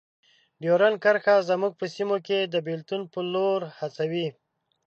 ډیورنډ کرښه زموږ په سیمو کې د بیلتون په لور هڅوي.